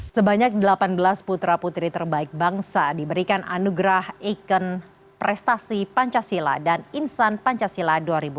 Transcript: sebanyak delapan belas putra putri terbaik bangsa diberikan anugerah ikon prestasi pancasila dan insan pancasila dua ribu dua puluh